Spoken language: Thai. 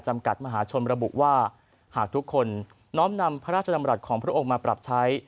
กัดมหาชนระบุว่าหากทุกคนน้อมนำพระราชดำรัฐของพระองค์มาปรับใช้